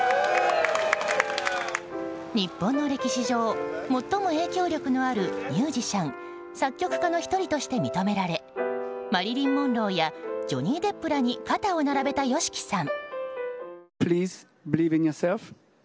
日本の歴史上、最も影響力のあるミュージシャン作曲家の１人として認められマリリン・モンローやジョニー・デップらに肩を並べたＹＯＳＨＩＫＩさん。